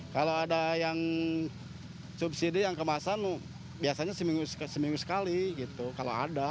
kalau ada yang subsidi yang kemasan biasanya seminggu sekali gitu kalau ada